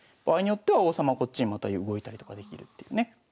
場合によっては王様こっちにまた動いたりとかできるっていうね。